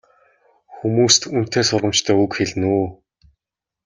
Хүмүүст үнэтэй сургамжтай үг хэлнэ үү?